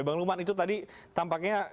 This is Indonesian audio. bang lukman itu tadi tampaknya